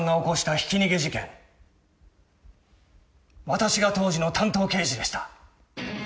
私が当時の担当刑事でした。